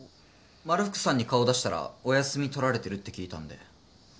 まるふくさんに顔出したらお休み取られてるって聞いたんで。